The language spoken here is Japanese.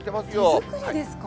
手作りですか。